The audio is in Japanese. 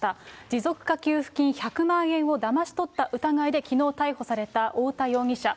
持続化給付金１００万円をだまし取った疑いできのう逮捕された太田容疑者。